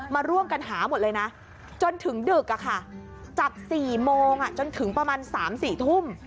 มาร่วมกันหาหมดเลยนะจนถึงดึกจาก๔โมงจนถึงประมาณ๓๔ทุ่ม